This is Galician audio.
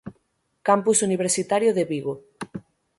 Campus Universitario de Vigo.